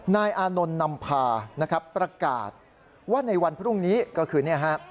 นายอานนท์นำพาประกาศว่าในวันพรุ่งนี้ก็คือ